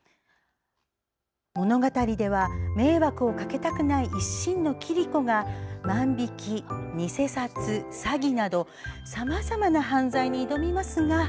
物語では迷惑をかけたくない一心の桐子が万引き、偽札、詐欺などさまざまな犯罪に挑みますが。